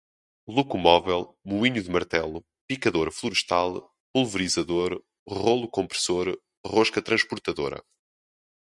locomóvel, moinho de martelo, picador florestal, pulverizador, rolo compressor, rosca transportadora